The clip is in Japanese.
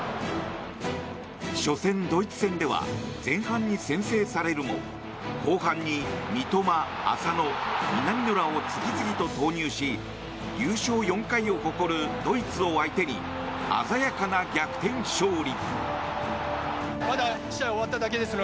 初戦、ドイツ戦では前半に先制されるも後半に三笘、浅野、南野らを次々に投入し優勝４回を誇るドイツを相手に鮮やかな逆転勝利。